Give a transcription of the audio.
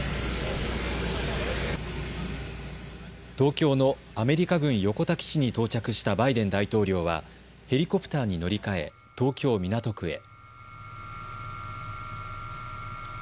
東京のアメリカ軍横田基地に到着したバイデン大統領はヘリコプターに乗り換え東京港区へ。